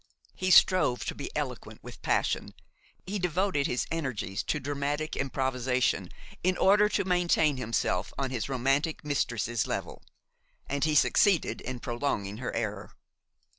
He strove to be eloquent with passion, he devoted his energies to dramatic improvisation, in order to maintain himself on his romantic mistress's level, and he succeeded in prolonging her error.